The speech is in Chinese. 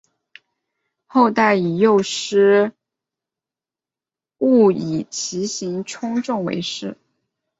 后代以右师戊以其行次仲为氏。